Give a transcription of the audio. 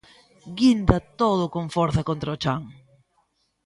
Guinda todo con forza contra o chan.